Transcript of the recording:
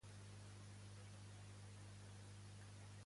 Què respon Iglesias quan insisteix que sí que va dir aquesta frase?